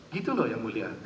gitu loh yang mulia